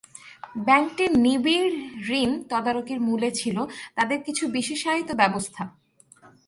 ব্যাংকটির নিবিড় ঋণ তদারকির মূলে ছিল তাদের কিছু বিশেষায়িত ব্যবস্থা।